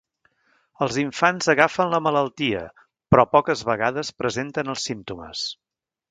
Els infants agafen la malaltia però poques vegades presenten els símptomes.